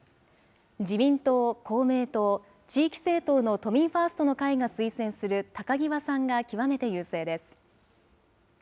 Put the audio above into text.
自民党、公明党、地域政党の都民ファーストの会が推薦する高際さんが極めて優勢です。